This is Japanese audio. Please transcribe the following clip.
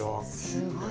すごい。